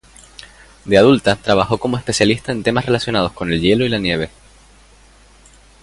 De adulta, trabajó como especialista en temas relacionados con el hielo y la nieve.